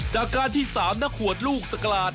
จากการที่๓นักขวดลูกสกลาด